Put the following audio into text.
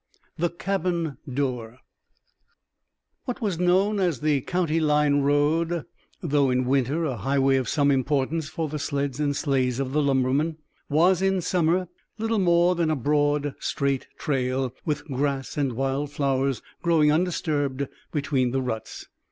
The Cabin Door What was known as the County Line Road, though in winter a highway of some importance for the sleds and sleighs of the lumbermen, was in summer little more than a broad, straight trail, with grass and wild flowers growing undisturbed between the ruts.